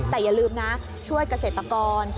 แต่อย่าลืมนะช่วยเกษตรกร